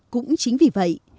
cũng chính vì vậy